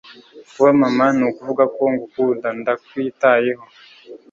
kuba mama nukuvuga ko ngukunda, ndakwitayeho